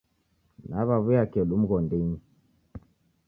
Naw'aw'uya kedu mghondinyi.